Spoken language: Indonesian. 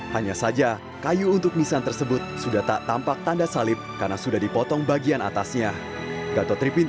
hanya saja kayu untuk nisan tersebut sudah tak tampak tanda salib karena sudah dipotong bagian atasnya